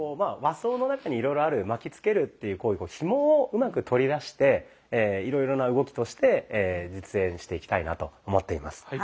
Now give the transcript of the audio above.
和装の中にいろいろある巻きつけるっていう行為ひもをうまく取り出していろいろな動きとして実演していきたいなと思っています。